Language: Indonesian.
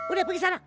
udah pergi sana